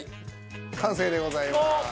完成でございます！